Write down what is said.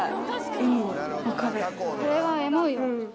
これはエモいわ。